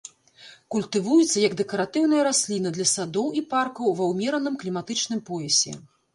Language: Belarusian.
Культывуецца як дэкаратыўная расліна для садоў і паркаў ва ўмераным кліматычным поясе.